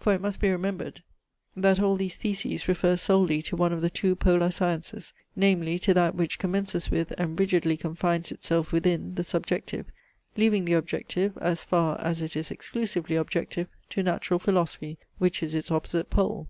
For it must be remembered, that all these Theses refer solely to one of the two Polar Sciences, namely, to that which commences with, and rigidly confines itself within, the subjective, leaving the objective (as far as it is exclusively objective) to natural philosophy, which is its opposite pole.